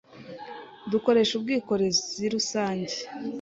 Dukoresha ubwikorezi rusange.